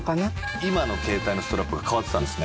今の携帯のストラップが変わってたんですね。